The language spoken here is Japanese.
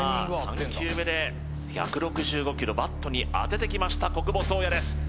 ３球目で１６５キロバットに当ててきました小久保颯弥です